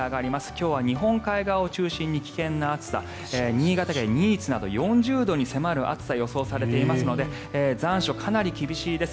今日は日本海側を中心に危険な暑さ新潟県新津など４０度に迫る暑さが予想されていますので残暑厳しいです。